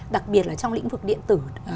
đặc biệt là trong lĩnh vực điện tử